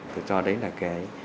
tôi cho đấy là cái